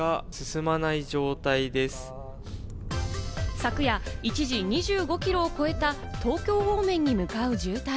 昨夜、一時２５キロを超えた東京方面に向かう渋滞。